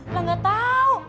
lah gak tau